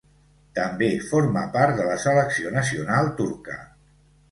També forma part de la selecció nacional turca.